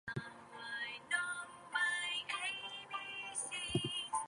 The community is the westernmost community in Minnesota.